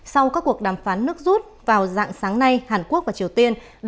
sau các cuộc đàm phán nước rút vào dạng sáng nay hàn quốc và triều tiên đã nhất trí